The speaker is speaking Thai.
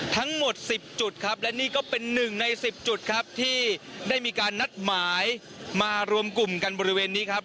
ทั้งหมด๑๐จุดครับและนี่ก็เป็นหนึ่งใน๑๐จุดครับที่ได้มีการนัดหมายมารวมกลุ่มกันบริเวณนี้ครับ